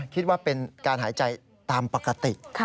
คิดว่าเป็นการหายใจตามปกติ